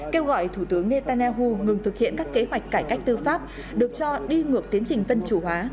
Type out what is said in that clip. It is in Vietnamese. kêu gọi thủ tướng netanyahu ngừng thực hiện các kế hoạch cải cách tư pháp được cho đi ngược tiến trình dân chủ hóa